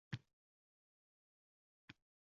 Maktab ta`limini olaylik